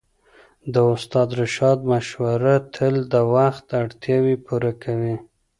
د استاد رشاد مشوره تل د وخت اړتياوې پوره کوي.